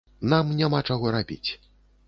Нам няма чаго рабіць.